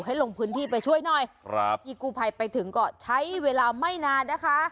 ให้ลงพื้นที่ไปช่วยหน่อยครับพี่กู้ภัยไปถึงก็ใช้เวลาไม่นานนะคะ